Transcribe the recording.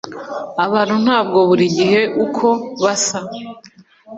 abantu ntabwo buri gihe uko basa